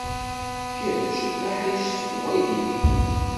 Kečč d aḥric seg uɣilif.